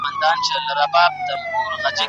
په پوهنتون کي د سياستپوهنې لوستل ډېر ګټور دي.